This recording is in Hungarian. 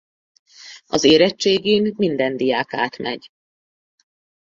Az érettségin minden diák átmegy.